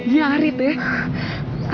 iya ari tuh ya